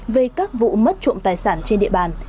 về các vụ mất trộm tài sản trên địa bàn